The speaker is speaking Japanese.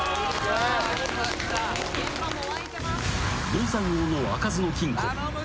［銅山王の開かずの金庫］